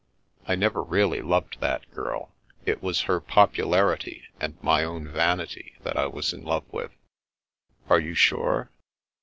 I never really loved that girl. It was her popularity and my own vanity that I was in love with." "Are you sure?"